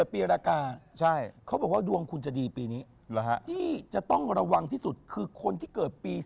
โปรดติดตามตอนต่อไป